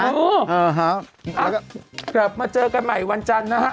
เอากลับมาเจอกันใหม่วันจันทร์นะฮะ